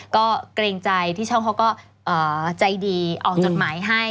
ก็เกรงใจที่ช่องเขาก็ใจดีออกจดหมายให้